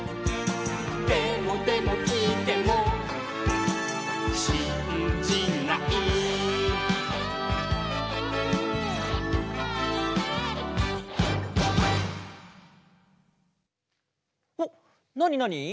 「でもでもきいてもしんじない」おっなになに？